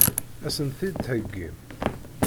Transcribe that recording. Ad sent-t-id-theggim?